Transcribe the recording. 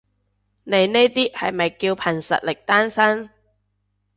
你呢啲係咪叫憑實力單身？